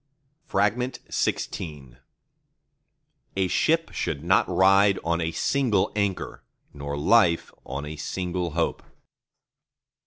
XVI A ship should not ride on a single anchor, nor life on a single hope.